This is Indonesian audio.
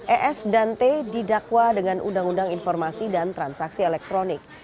es dan t didakwa dengan undang undang informasi dan transaksi elektronik